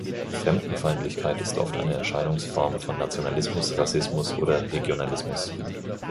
Fremdenfeindlichkeit ist oft eine Erscheinungsform von Nationalismus, Rassismus oder Regionalismus.